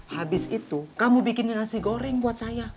habis itu kamu bikinin nasi goreng buat saya